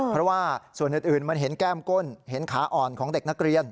เพราะว่าส่วนอื่นมันเห็นแก้มก้นเห็นขาอ่อนของเด็กนักเรียน